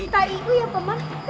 kak ibu ya paman